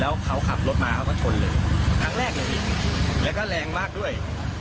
แล้วเขาขับรถมาเขาก็ชนเลยครั้งแรกเลยพี่แล้วก็แรงมากด้วย